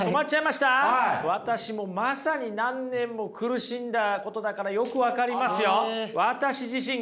私もまさに何年も苦しんだことだからよく分かりますよ。